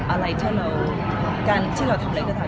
อะไรที่เราทำอะไรก็ทำ